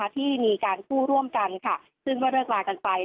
ที่มีการคู่ร่วมกันซึ่งเมื่อเลิกลากันไป